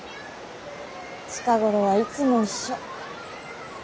近頃はいつも一緒。